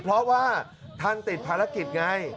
เพราะว่าท่านติดภารกิจไง